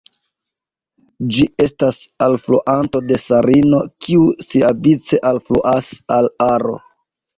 Ĝi estas alfluanto de Sarino, kiu siavice alfluas al Aro.